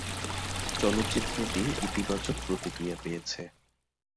চলচ্চিত্রটি ইতিবাচক প্রতিক্রিয়া পেয়েছে।